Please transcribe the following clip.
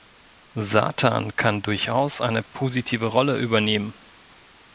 Satan kann durchaus eine positive Rolle übernehmen.